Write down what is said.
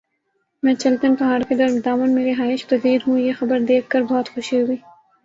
میں چلتن پہاڑ کے دامن میں رہائش پزیر ھوں یہ خبر دیکھ کر بہت خوشی ہوئ